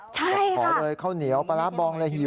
ใช่ค่ะขอเลยข้าวเหนียวปลาร้าบองเลย